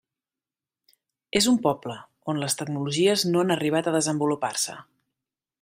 És un poble, on les tecnologies no han arribat a desenvolupar-se.